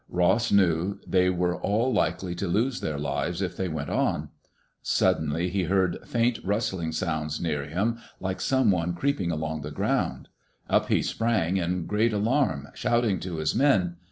Ross knew they were all likely to lose their lives if they went on. Suddenly, he heard faint, rustling sounds near him, like some one creep ing along the ground. Up he sprang in great alarm, shouting to his men.